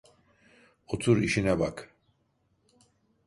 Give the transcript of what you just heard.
Otur işine bak!